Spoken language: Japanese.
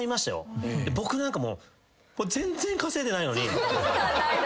僕なんか全然稼いでないのに。